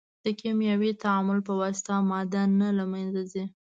د کیمیاوي تعامل په واسطه ماده نه له منځه ځي.